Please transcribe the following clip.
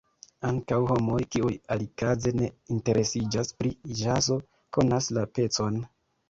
Ankaŭ homoj, kiuj alikaze ne interesiĝas pri ĵazo, konas la pecon.